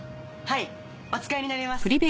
はいお使いになれます。